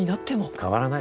変わらない。